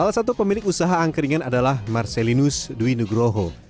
salah satu pemilik usaha angkringan adalah marcelinus duinugroho